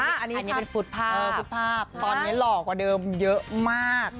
อันนี้ผุดภาพตอนนี้หล่อกว่าเดิมเยอะมาก